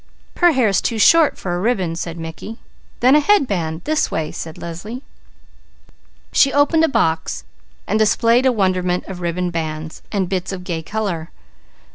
"Her hair's too short for a ribbon," said Mickey. "Then a headband! This way!" said Leslie. She opened a box and displayed a wonderment of ribbon bands, and bits of gay colour.